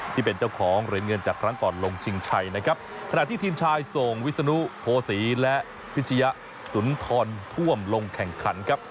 ที่เป็นเจ้าของเหรียญเงินจากครั้งก่อนลงชิงชัยนะครับขณะที่ทีมชายส่งวิศนุโพศีและพิชยะสุนทรท่วมลงแข่งขันครับ